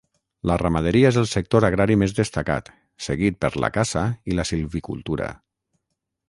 La ramaderia és el sector agrari més destacat, seguit per la caça i la silvicultura.